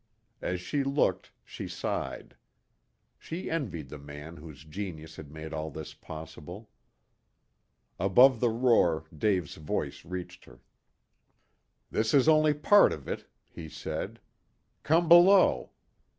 As she looked, she sighed. She envied the man whose genius had made all this possible. Above the roar Dave's voice reached her. "This is only part of it," he said; "come below."